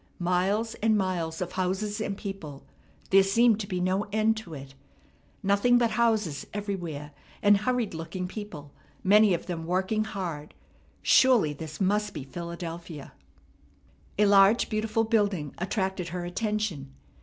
Miles and miles of houses and people. There seemed to be no end to it. Nothing but houses everywhere and hurried looking people, many of them working hard. Surely this must be Philadelphia. A large, beautiful building attracted her attention.